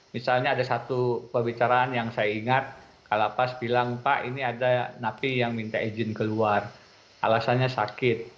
misalnya ada satu pembicaraan yang saya ingat kalapas bilang pak ini ada napi yang minta izin keluar alasannya sakit